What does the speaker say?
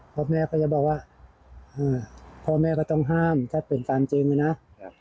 พ่อแม่ก็จะบอกว่าพ่อแม่ก็ต้องห้ามถ้าเป็นตามจริงนะครับ